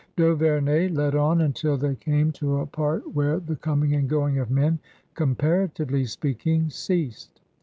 D'Auvemey led on until they canK^ to a part where the coming and going of men, comparafjyely speaking, ceased.